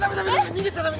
逃げちゃダメ！